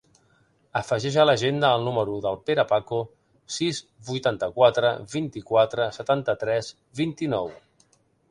Afegeix a l'agenda el número del Pere Paco: sis, vuitanta-quatre, vint-i-quatre, setanta-tres, vint-i-nou.